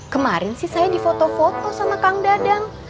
kemarin sih saya di foto foto sama kang dadang